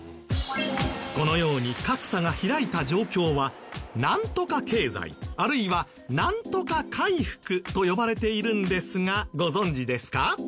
このように格差が開いた状況はなんとか経済あるいはなんとか回復と呼ばれているんですがご存じですか？